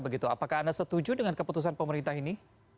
apakah anda setuju dengan keputusan pemerintah ini